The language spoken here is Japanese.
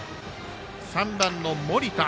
３番の森田。